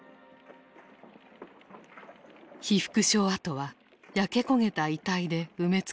被服廠跡は焼け焦げた遺体で埋めつくされていた。